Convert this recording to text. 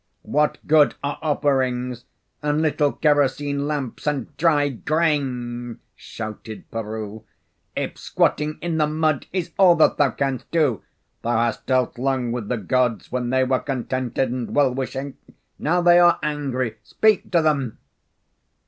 "What good are offerings and little kerosene lamps and dry grain," shouted Peroo, "if squatting in the mud is all that thou canst do? Thou hast dealt long with the Gods when they were contented and well wishing. Now they are angry. Speak to them!"